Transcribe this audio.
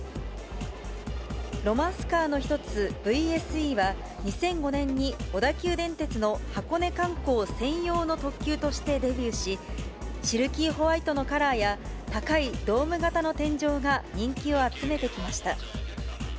ロマンスカーの一つ、ＶＳＥは、２００５年に小田急電鉄の箱根観光専用の特急としてデビューし、シルキーホワイトのカラーや、高いドーム型の天井が人気を集めてきました。